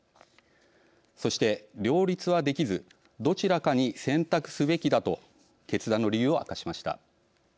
そして「両立はできずどちらかに選択すべきだ」と決断の理由を明かしました。